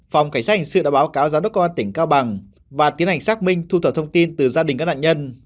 phòng cảnh sát hình sự đã báo cáo giám đốc công an tỉnh cao bằng và tiến hành xác minh thu thập thông tin từ gia đình các nạn nhân